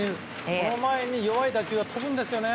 その前に弱い打球が飛ぶんですよね。